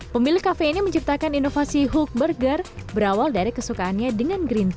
pemilik kafe ini menciptakan inovasi hulk burger berawal dari kesukaannya dengan green tea